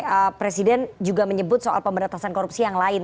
dan presiden juga menyebut soal pemberantasan korupsi yang lain